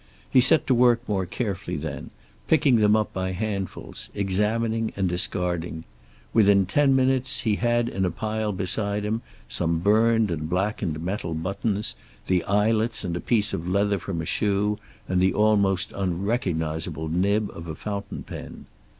He set to work more carefully then, picking them up by handfuls, examining and discarding. Within ten minutes he had in a pile beside him some burned and blackened metal buttons, the eyelets and a piece of leather from a shoe, and the almost unrecognizable nib of a fountain pen.